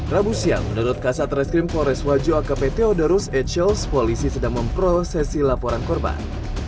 rabu siang menurut kasat reskrim polres wajo akp theodorus echels polisi sedang memprosesi laporan korban